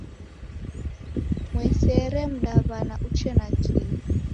Mw'esere mdaw'ana uche nakio.